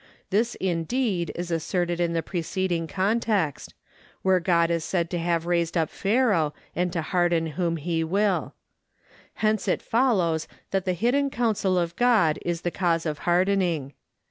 This indeed is asserted in the preceding context, where God is said to have raised up Pharaoh, and to harden whom he will. Hence it follows that the hidden counsel of God is the cause of hardening.